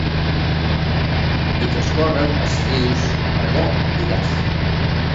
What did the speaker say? Hi transcorren els rius Aragó i Gas.